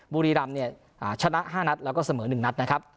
บุรีรำเนี่ยชนะ๕นัดแล้วก็เสมอ๑นัดนะครับ